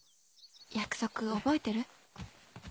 約束覚えてる？